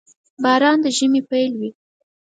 • باران د ژمي پيل وي.